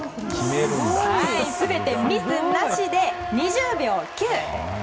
全てミスなしで２０秒０９。